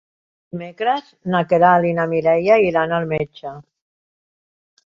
Dimecres na Queralt i na Mireia iran al metge.